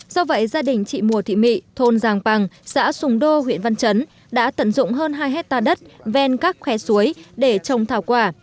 do vậy gia đình chị mùa thị mị thôn giàng bằng xã sùng đô huyện văn chấn đã tận dụng hơn hai hectare đất ven các khoe suối để trồng thảo quả